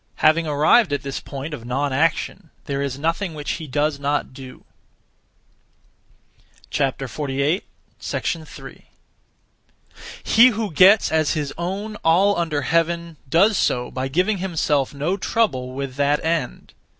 Having arrived at this point of non action, there is nothing which he does not do. 3. He who gets as his own all under heaven does so by giving himself no trouble (with that end).